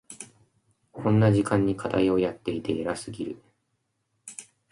こんな時間に課題をやっていて偉すぎる。